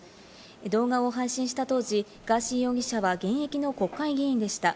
動画を配信した当時、ガーシー容疑者は現役の国会議員でした。